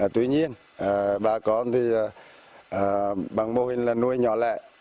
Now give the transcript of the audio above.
tuy nhiên bà con thì bằng mô hình nuôi nhỏ lẹ